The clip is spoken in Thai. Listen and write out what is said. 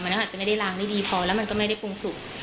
อาจจะไม่ได้ล้างได้ดีพอแล้วมันก็ไม่ได้ปรุงสุก